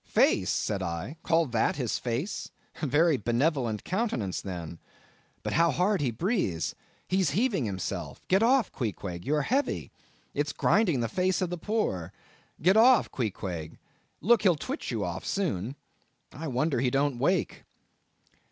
"Face!" said I, "call that his face? very benevolent countenance then; but how hard he breathes, he's heaving himself; get off, Queequeg, you are heavy, it's grinding the face of the poor. Get off, Queequeg! Look, he'll twitch you off soon. I wonder he don't wake."